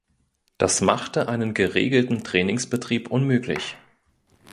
Das machte einen geregelten Trainingsbetrieb unmöglich.